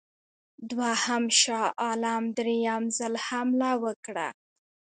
دوهم شاه عالم درېم ځل حمله وکړه.